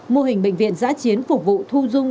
mô hình bệnh viện giã chiến phục vụ thu dung